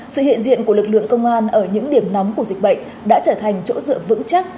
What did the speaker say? sự hiện diện của lực lượng công an ở những điểm nóng của dịch bệnh đã trở thành chỗ dựa vững chắc